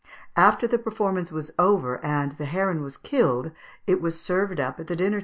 After the performance was over and the heron was killed, it was served up at the dinner table."